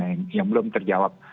itu yang belum terjawab